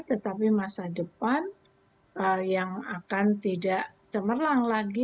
tetapi masa depan yang akan tidak cemerlang lagi